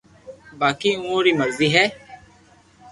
باقي اووہ روي مرزو ھي